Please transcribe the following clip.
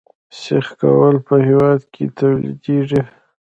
سیخ ګول په هیواد کې تولیدیږي